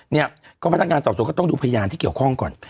เนี่ยก็พนักงานสอบสวนก็ต้องดูพยานที่เกี่ยวข้องก่อน